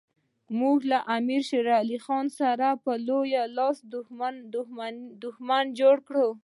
موږ له امیر شېر علي خان څخه په لوی لاس دښمن جوړ کړ.